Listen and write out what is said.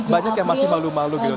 banyak yang masih malu malu gitu